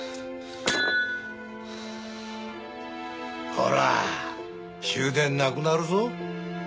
ほら終電なくなるぞ。